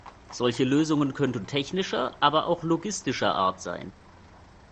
Solche Lösungen könnten technischer, aber auch logistischer Art sein.